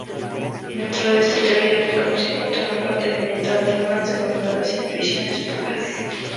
Dentro de esta teoría del conocimiento una parte elemental son las denominadas intuiciones puras.